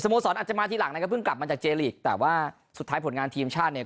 โมสรอาจจะมาทีหลังนะครับเพิ่งกลับมาจากเจลีกแต่ว่าสุดท้ายผลงานทีมชาติเนี่ย